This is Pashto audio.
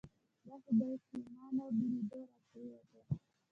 دا خو بهٔ چې مانه بېلېده راپرېوته